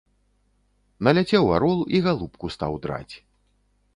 Наляцеў арол і галубку стаў драць.